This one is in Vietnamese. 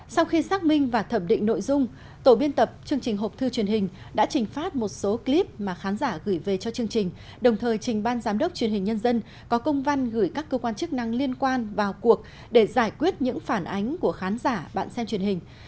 sau khi xác minh và thẩm định nội dung tổ biên tập chương trình hộp thư truyền hình đã trình phát một số clip mà khán giả gửi về cho chương trình đồng thời trình ban giám đốc truyền hình nhân dân có công văn gửi các cơ quan chức năng liên quan vào cuộc để giải quyết những phản ánh của khán giả bạn xem truyền hình